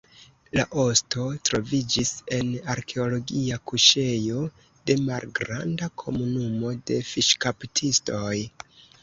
La osto troviĝis en arkeologia kuŝejo de malgranda komunumo de fiŝkaptistoj.